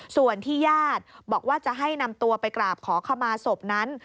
ส่วนที่ญาติบอกว่าจะให้นำตัวไปกราบขอขมาศพนั้น